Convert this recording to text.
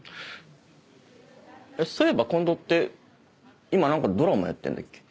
そういえば近藤って今何かドラマやってんだっけ？